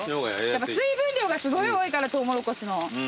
やっぱ水分量がすごい多いからトウモロコシの。